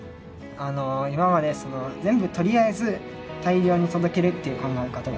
あの今まで全部とりあえず大量に届けるっていう考え方だったんですけど